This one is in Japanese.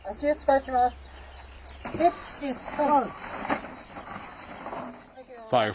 １、２、３。